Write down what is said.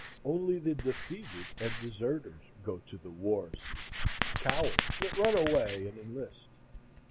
Only the defeated and deserters go to the wars, cowards that run away and enlist.